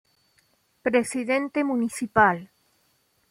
Presidente municipal